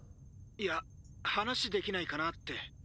いや話できないかなって。